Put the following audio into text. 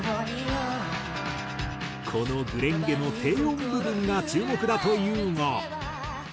この『紅蓮華』の低音部分が注目だというが。